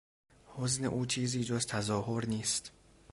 حزن او چیزی جز تظاهر نیست.